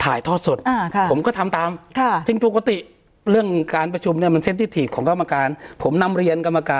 ถ่ายทอดสดก็ทำตามนักเรียนเรียนเรียวค่ะ